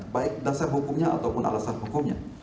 baik dasar hukumnya ataupun alasan hukumnya